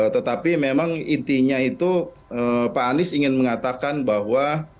tetapi memang intinya itu pak anies ingin mengatakan bahwa